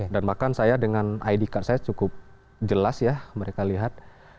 dan bahkan saya dengan id card saya cukup jelas ya mereka lihat